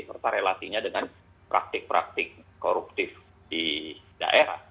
serta relasinya dengan praktik praktik koruptif di daerah